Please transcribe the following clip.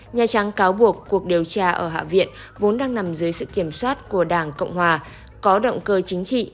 nhà trắng cáo buộc cuộc điều tra ở hạ viện vốn đang nằm dưới sự kiểm soát của đảng cộng hòa có động cơ chính trị